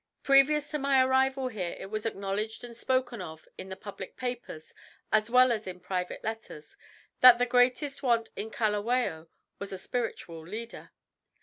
"Previous to my arrival here it was acknowledged and spoken of in the public papers as well as in private letters that the greatest want at Kalawao was a spiritual leader.